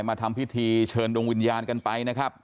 มาทำพิธีเชิญดวงวิญญาณกันไปนะครับ